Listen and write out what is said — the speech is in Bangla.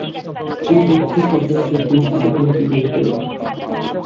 স্ত্রী পাখিটি সচরাচর দুই থেকে তিনটি ডিম পেড়ে থাকে।